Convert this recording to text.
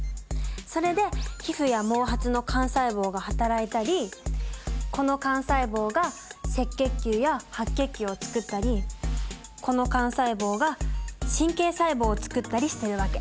それで皮膚や毛髪の幹細胞がはたらいたりこの幹細胞が赤血球や白血球をつくったりこの幹細胞が神経細胞をつくったりしてるわけ。